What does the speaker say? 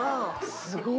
すごい。